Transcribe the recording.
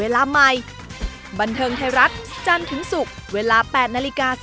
และ๑๗นาฬิกา